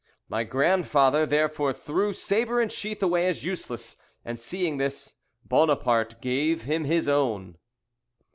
My grandfather therefore threw sabre and sheath away as useless, and, seeing this, Buonaparte gave him his own."